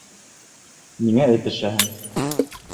Ниңә этешәһең?